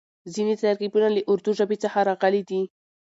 ځينې ترکيبونه له اردو ژبې څخه راغلي دي.